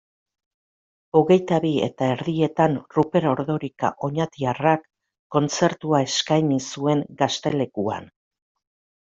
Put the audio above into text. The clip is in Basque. Hogeita bi eta erdietan Ruper Ordorika oñatiarrak kontzertua eskaini zuen Gaztelekuan.